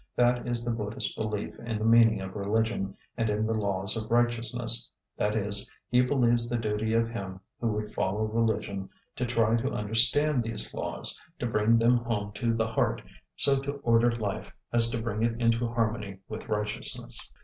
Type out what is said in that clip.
That is the Buddhist belief in the meaning of religion, and in the laws of righteousness; that is, he believes the duty of him who would follow religion to try to understand these laws, to bring them home to the heart, so to order life as to bring it into harmony with righteousness.